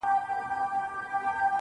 ټوله شپه خوبونه وي~